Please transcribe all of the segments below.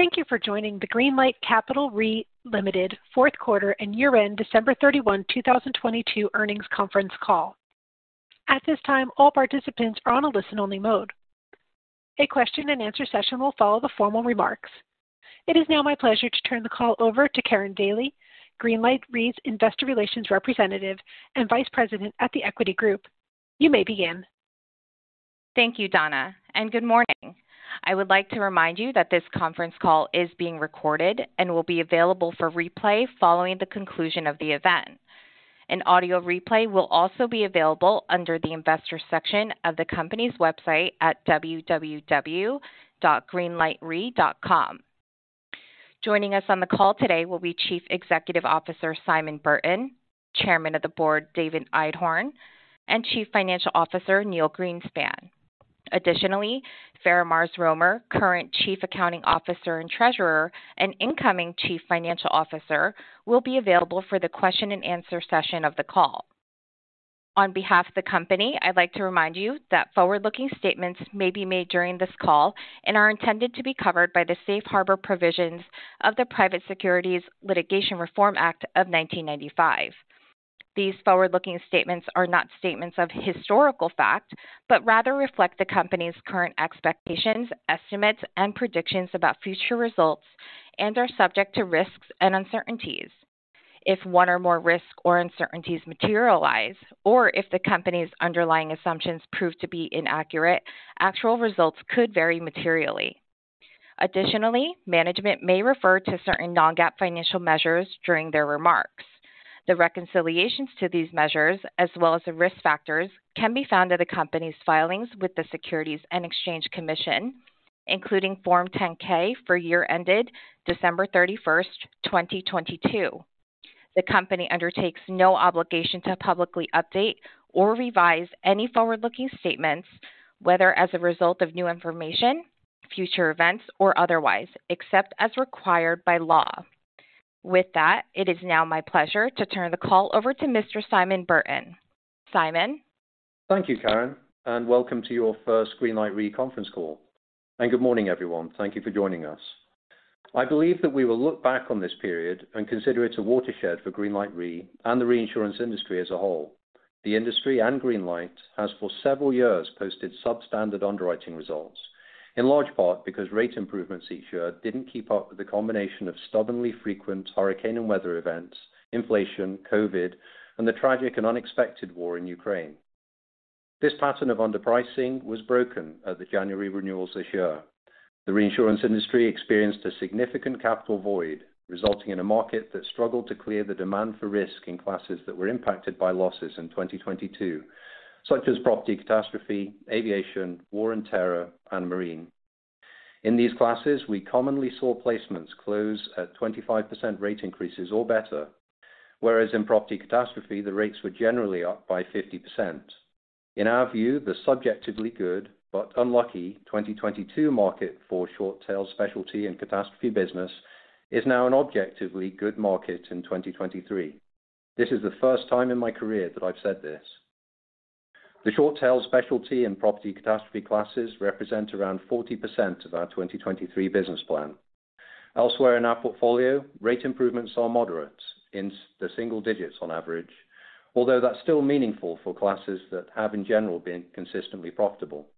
Thank you for joining the Greenlight Capital Re, Ltd. fourth quarter and year-end December 31, 2022 earnings conference call. At this time, all participants are on a listen-only mode. A question and answer session will follow the formal remarks. It is now my pleasure to turn the call over to Karin Daly, Greenlight Re's Investor Relations representative and Vice President at The Equity Group. You may begin. Thank you, Donna, and good morning. I would like to remind you that this conference call is being recorded and will be available for replay following the conclusion of the event. An audio replay will also be available under the Investors section of the company's website at www.greenlightre.com. Joining us on the call today will be Chief Executive Officer Simon Burton, Chairman of the Board, David Einhorn, and Chief Financial Officer Neil Greenspan. Additionally, Faramarz Romer, current chief accounting officer and treasurer and incoming chief financial officer, will be available for the question and answer session of the call. On behalf of the company, I'd like to remind you that forward-looking statements may be made during this call and are intended to be covered by the safe harbor provisions of the Private Securities Litigation Reform Act of 1995. These forward-looking statements are not statements of historical fact, but rather reflect the company's current expectations, estimates, and predictions about future results and are subject to risks and uncertainties. If one or more risks or uncertainties materialize, or if the company's underlying assumptions prove to be inaccurate, actual results could vary materially. Additionally, management may refer to certain non-GAAP financial measures during their remarks. The reconciliations to these measures, as well as the risk factors, can be found in the company's filings with the Securities and Exchange Commission, including Form 10-K for year ended December 31st, 2022. The company undertakes no obligation to publicly update or revise any forward-looking statements, whether as a result of new information, future events, or otherwise, except as required by law. With that, it is now my pleasure to turn the call over to Mr. Simon Burton. Simon? Thank you, Karin, and welcome to your first Greenlight Re conference call. Good morning, everyone. Thank you for joining us. I believe that we will look back on this period and consider it a watershed for Greenlight Re and the reinsurance industry as a whole. The industry and Greenlight Re has for several years posted substandard underwriting results, in large part because rate improvements each year didn't keep up with the combination of stubbornly frequent hurricane and weather events, inflation, COVID, and the tragic and unexpected war in Ukraine. This pattern of underpricing was broken at the January renewals this year. The reinsurance industry experienced a significant capital void, resulting in a market that struggled to clear the demand for risk in classes that were impacted by losses in 2022, such as property catastrophe, aviation, war and terror, and marine. In these classes, we commonly saw placements close at 25% rate increases or better, whereas in property catastrophe, the rates were generally up by 50%. In our view, the subjectively good but unlucky 2022 market for short-tail specialty and catastrophe business is now an objectively good market in 2023. This is the first time in my career that I've said this. The short-tail specialty in property catastrophe classes represent around 40% of our 2023 business plan. Elsewhere in our portfolio, rate improvements are moderate, in the single digits on average, although that's still meaningful for classes that have, in general, been consistently profitable.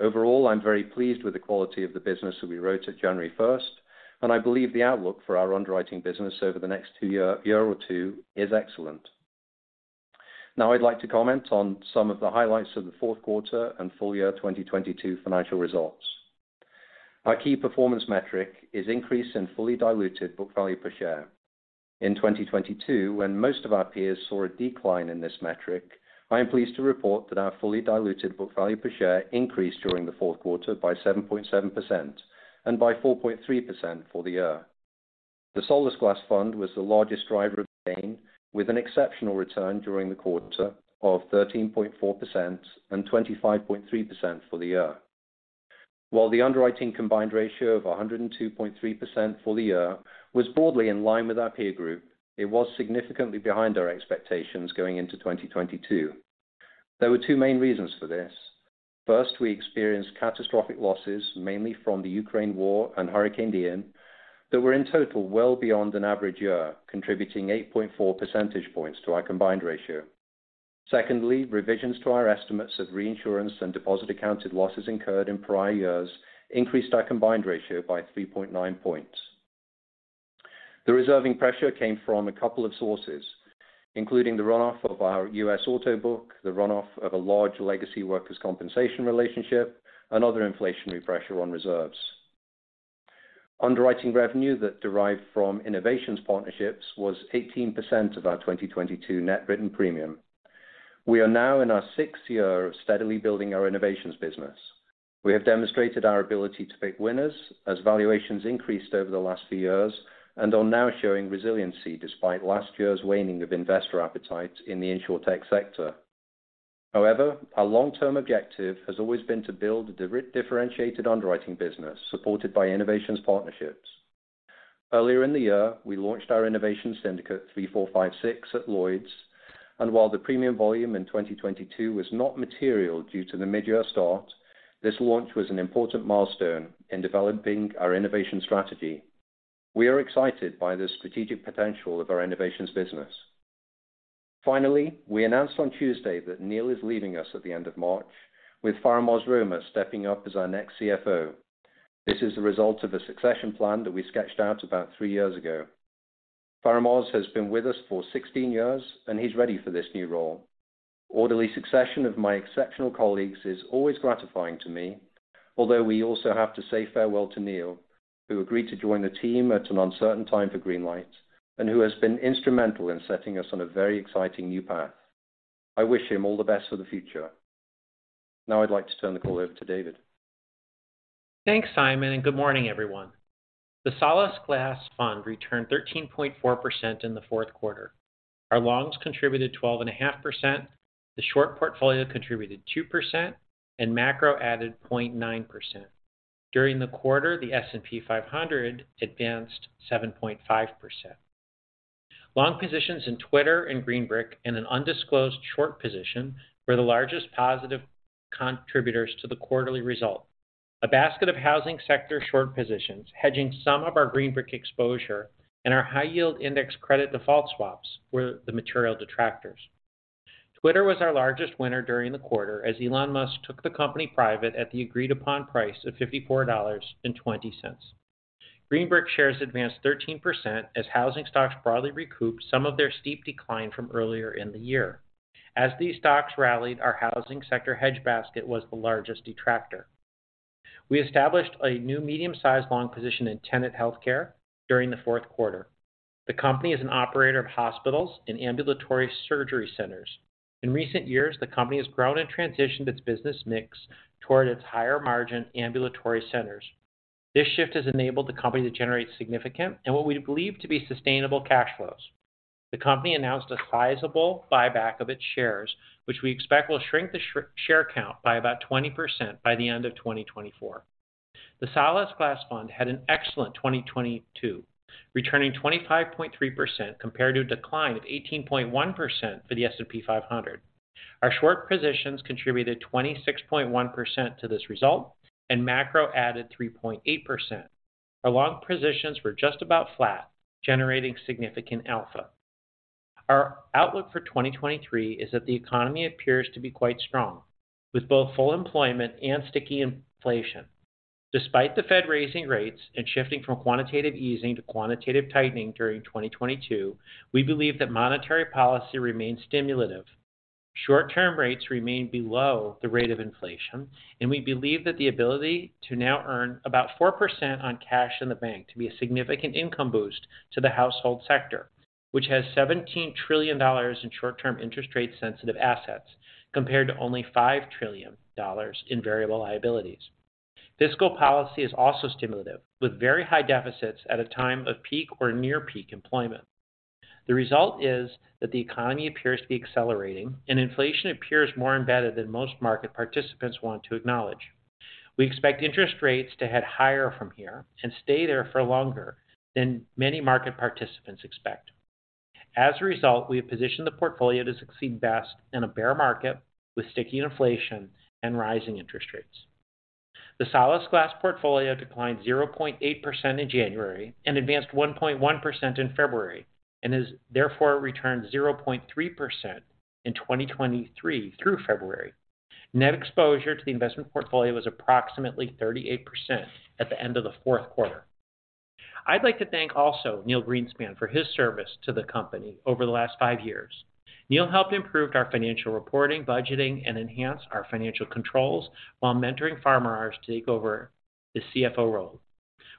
Overall, I'm very pleased with the quality of the business that we wrote at January first, and I believe the outlook for our underwriting business over the next year or two is excellent. Now I'd like to comment on some of the highlights of the fourth quarter and full year 2022 financial results. Our key performance metric is increase in fully diluted book value per share. In 2022, when most of our peers saw a decline in this metric, I am pleased to report that our fully diluted book value per share increased during the fourth quarter by 7.7% and by 4.3% for the year. The Solasglas Fund was the largest driver of gain, with an exceptional return during the quarter of 13.4% and 25.3% for the year. While the underwriting combined ratio of 102.3% for the year was broadly in line with our peer group, it was significantly behind our expectations going into 2022. There were two main reasons for this. First, we experienced catastrophic losses, mainly from the Ukraine war and Hurricane Ian, that were, in total, well beyond an average year, contributing 8.4 percentage points to our combined ratio. Secondly, revisions to our estimates of reinsurance and deposit accounted losses incurred in prior years increased our combined ratio by 3.9 points. The reserving pressure came from a couple of sources, including the runoff of our U.S. Auto book, the runoff of a large legacy workers' compensation relationship, and other inflationary pressure on reserves. Underwriting revenue that derived from innovations partnerships was 18% of our 2022 net written premium. We are now in our 6th year of steadily building our innovations business. We have demonstrated our ability to pick winners as valuations increased over the last few years and are now showing resiliency despite last year's waning of investor appetite in the insurtech sector. However, our long-term objective has always been to build a differentiated underwriting business supported by innovations partnerships. Earlier in the year, we launched our innovation syndicate, 3456 at Lloyd's. While the premium volume in 2022 was not material due to the mid-year start, this launch was an important milestone in developing our innovation strategy. We are excited by the strategic potential of our innovations business. Finally, we announced on Tuesday that Neil is leaving us at the end of March, with Faramarz Romer stepping up as our next CFO. This is a result of a succession plan that we sketched out about three years ago. Faramarz has been with us for 16 years. He's ready for this new role. Orderly succession of my exceptional colleagues is always gratifying to me. Although we also have to say farewell to Neil, who agreed to join the team at an uncertain time for Greenlight and who has been instrumental in setting us on a very exciting new path. I wish him all the best for the future. Now, I'd like to turn the call over to David. Thanks, Simon. Good morning everyone. The Solasglas Fund returned 13.4% in the fourth quarter. Our longs contributed 12.5%, the short portfolio contributed 2%, macro added 0.9%. During the quarter, the S&P 500 advanced 7.5%. Long positions in Twitter and Green Brick and an undisclosed short position were the largest positive contributors to the quarterly result. A basket of housing sector short positions, hedging some of our Green Brick exposure and our high yield index credit default swaps were the material detractors. Twitter was our largest winner during the quarter as Elon Musk took the company private at the agreed upon price of $54.20. Green Brick shares advanced 13% as housing stocks broadly recouped some of their steep decline from earlier in the year. As these stocks rallied, our housing sector hedge basket was the largest detractor. We established a new medium-sized long position in Tenet Healthcare during the fourth quarter. The company is an operator of hospitals and ambulatory surgery centers. In recent years, the company has grown and transitioned its business mix toward its higher-margin ambulatory centers. This shift has enabled the company to generate significant and what we believe to be sustainable cash flows. The company announced a sizable buyback of its shares, which we expect will shrink the share count by about 20% by the end of 2024. The Solasglas Fund had an excellent 2022, returning 25.3% compared to a decline of 18.1% for the S&P 500. Our short positions contributed 26.1% to this result, macro added 3.8%. Our long positions were just about flat, generating significant alpha. Our outlook for 2023 is that the economy appears to be quite strong, with both full employment and sticky inflation. Despite the Fed raising rates and shifting from quantitative easing to quantitative tightening during 2022, we believe that monetary policy remains stimulative. Short-term rates remain below the rate of inflation, and we believe that the ability to now earn about 4% on cash in the bank to be a significant income boost to the household sector, which has $17 trillion in short-term interest rate sensitive assets, compared to only $5 trillion in variable liabilities. Fiscal policy is also stimulative, with very high deficits at a time of peak or near peak employment. The result is that the economy appears to be accelerating and inflation appears more embedded than most market participants want to acknowledge. We expect interest rates to head higher from here and stay there for longer than many market participants expect. As a result, we have positioned the portfolio to succeed best in a bear market with sticky inflation and rising interest rates. The Solasglas portfolio declined 0.8% in January and advanced 1.1% in February, and has therefore returned 0.3% in 2023 through February. Net exposure to the investment portfolio was approximately 38% at the end of the fourth quarter. I'd like to thank also Neil Greenspan for his service to the company over the last five years. Neil helped improved our financial reporting, budgeting, and enhanced our financial controls while mentoring Faramarz to take over the CFO role.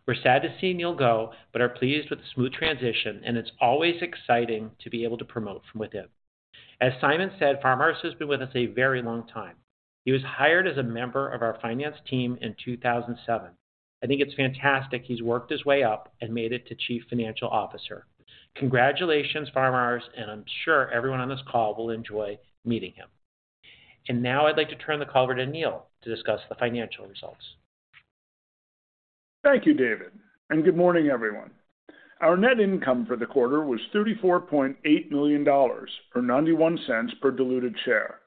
We're sad to see Neil go but are pleased with the smooth transition, it's always exciting to be able to promote from within. As Simon said, Faramarz has been with us a very long time. He was hired as a member of our finance team in 2007. I think it's fantastic he's worked his way up and made it to Chief Financial Officer. Congratulations, Faramarz, I'm sure everyone on this call will enjoy meeting him. Now I'd like to turn the call over to Neil to discuss the financial results. Thank you, David, good morning, everyone. Our net income for the quarter was $34.8 million, or $0.91 per diluted share.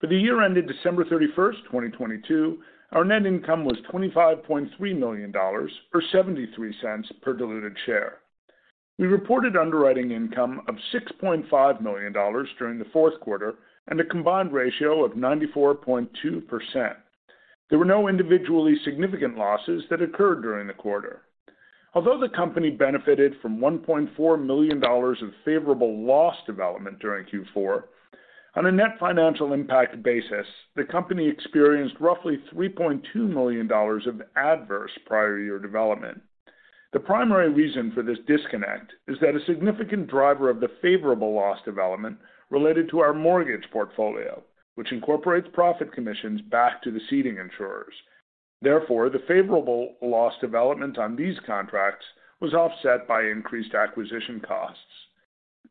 For the December 31st, 2022, our net income was $25.3 million, or $0.73 per diluted share. We reported underwriting income of $6.5 million during the fourth quarter and a combined ratio of 94.2%. There were no individually significant losses that occurred during the quarter. Although the company benefited from $1.4 million of favorable loss development during Q4, on a net financial impact basis, the company experienced roughly $3.2 million of adverse prior year development. The primary reason for this disconnect is that a significant driver of the favorable loss development related to our mortgage portfolio, which incorporates profit commissions back to the ceding insurers. Therefore, the favorable loss development on these contracts was offset by increased acquisition costs.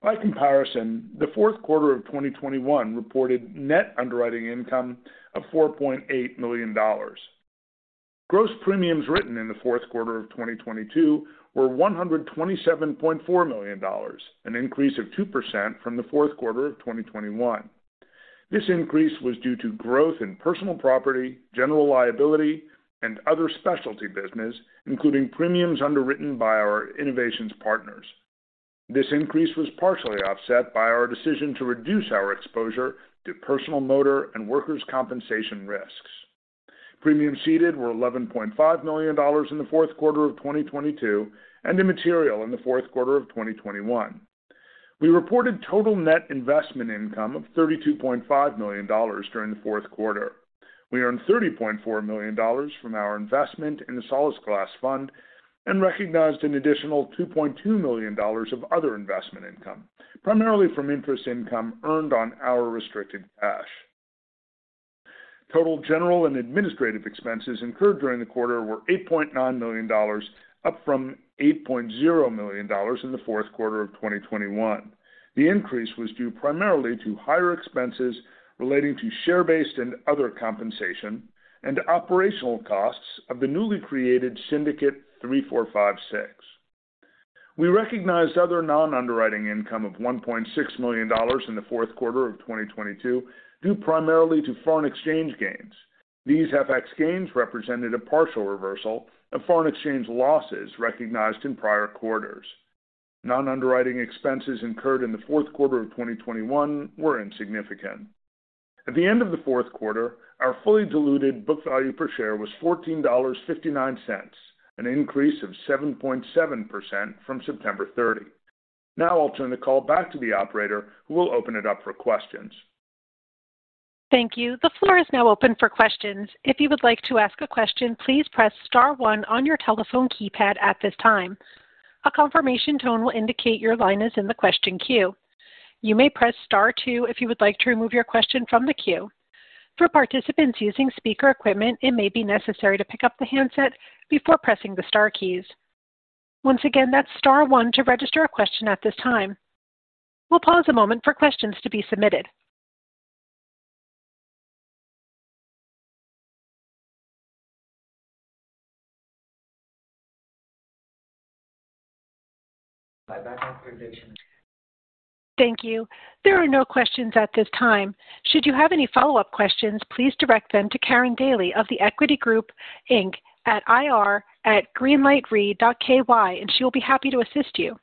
By comparison, the fourth quarter of 2021 reported net underwriting income of $4.8 million. Gross premiums written in the fourth quarter of 2022 were $127.4 million, an increase of 2% from the fourth quarter of 2021. This increase was due to growth in personal property, general liability, and other specialty business, including premiums underwritten by our innovations partners. This increase was partially offset by our decision to reduce our exposure to personal motor and workers' compensation risks. Premiums ceded were $11.5 million in the fourth quarter of 2022 and immaterial in the fourth quarter of 2021. We reported total net investment income of $32.5 million during the fourth quarter. We earned $30.4 million from our investment in the Solasglas Fund and recognized an additional $2.2 million of other investment income, primarily from interest income earned on our restricted cash. Total general and administrative expenses incurred during the quarter were $8.9 million, up from $8.0 million in the fourth quarter of 2021. The increase was due primarily to higher expenses relating to share-based and other compensation and operational costs of the newly created Syndicate 3456. We recognized other non-underwriting income of $1.6 million in the fourth quarter of 2022, due primarily to foreign exchange gains. These FX gains represented a partial reversal of foreign exchange losses recognized in prior quarters. Non-underwriting expenses incurred in the fourth quarter of 2021 were insignificant. At the end of the fourth quarter, our fully diluted book value per share was $14.59, an increase of 7.7% from September 30. Now I'll turn the call back to the operator, who will open it up for questions. Thank you. The floor is now open for questions. If you would like to ask a question, please press star one on your telephone keypad at this time. A confirmation tone will indicate your line is in the question queue. You may press star two if you would like to remove your question from the queue. For participants using speaker equipment, it may be necessary to pick up the handset before pressing the star keys. Once again, that's star one to register a question at this time. We'll pause a moment for questions to be submitted. Thank you. There are no questions at this time. Should you have any follow-up questions, please direct them to Karin Daly of The Equity Group, Inc at ir@greenlightre.ky, and she will be happy to assist you.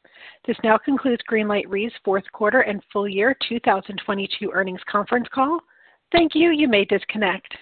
This now concludes Greenlight Re's fourth quarter and full year 2022 earnings conference call. Thank you. You may disconnect.